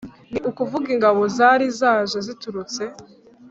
ni ukuvuga ingabo zari zaje ziturutse